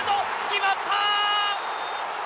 決まった！